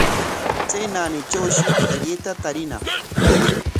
Chay naanitrawshi qillayta tariñaq.